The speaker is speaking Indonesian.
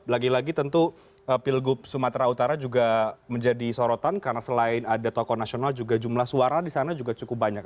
lagi lagi tentu pilgub sumatera utara juga menjadi sorotan karena selain ada tokoh nasional juga jumlah suara di sana juga cukup banyak